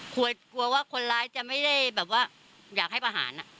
กลัวว่าคนร้ายจะไม่ได้แบบว่าอยากให้ประหาร